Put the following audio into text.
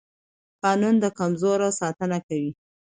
قانون د کمزورو ساتنه کوي